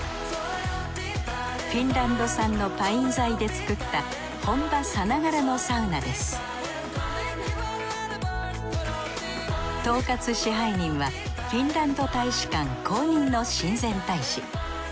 フィンランド産のパイン材で作った本場さながらのサウナです統括支配人はフィンランド大使館公認の親善大使。